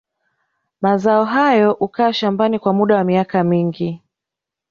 Mazao hayo hukaa shambani kwa muda wa miaka mingi